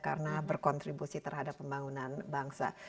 karena berkontribusi terhadap pembangunan bangsa